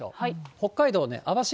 北海道網走